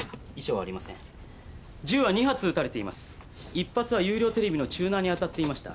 一発は有料テレビのチューナーに当たっていました。